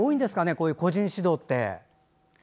こういう個人指導って。